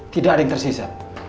tidak ada yang tersisa